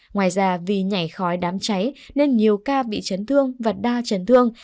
ngoài ra vì nhảy khói đám cháy nên nhiều ca bị chấn thương và đa chấn thương